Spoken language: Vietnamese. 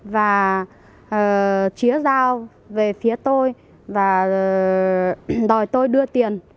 và chía dao về phía tôi và đòi tôi đưa tiền